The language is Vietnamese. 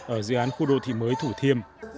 ở dự án khu đô thị mới thủ thiêm